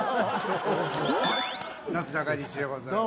なすなかにしでございます。